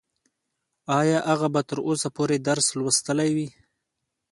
ايا هغه به تر اوسه پورې درس لوستلی وي؟